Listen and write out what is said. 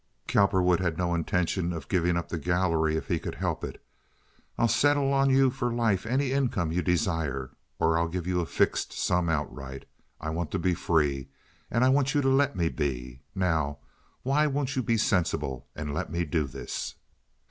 (Cowperwood had no intention of giving up the gallery if he could help it.) "I'll settle on you for life any income you desire, or I'll give you a fixed sum outright. I want to be free, and I want you to let me be. Now why won't you be sensible and let me do this?"